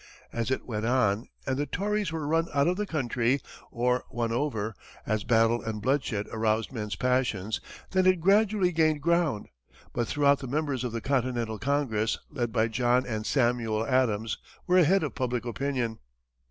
As it went on, and the Tories were run out of the country or won over, as battle and bloodshed aroused men's passions, then it gradually gained ground; but throughout, the members of the Continental Congress, led by John and Samuel Adams, were ahead of public opinion.